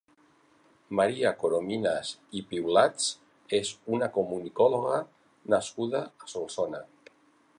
Maria Corominas i Piulats és una comunicòloga nascuda a Solsona.